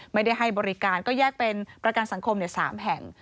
ไม่ได้ให้บริการก็แยกเป็นประกันสังคม๓แห่ง